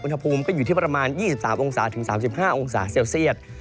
อุณหภูมิก็อยู่ที่ประมาณ๒๓๓๕องศาเซลเซียด